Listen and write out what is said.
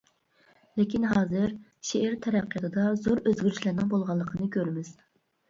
لېكىن ھازىر شېئىر تەرەققىياتىدا زور ئۆزگىرىشلەرنىڭ بولغانلىقىنى كۆرىمىز.